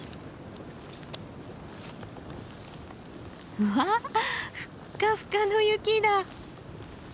うわふっかふかの雪だ！